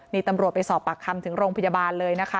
นี่ตำรวจไปสอบปากคำถึงโรงพยาบาลเลยนะคะ